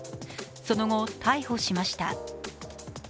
その後、逮捕しました。